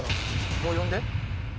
もう呼んで。